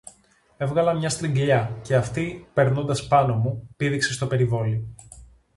Έβγαλα μια στριγλιά, και αυτή, περνώντας πάνω μου, πήδηξε στο περιβόλι